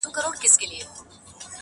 • قدردانو کي مي ځان قدردان وینم,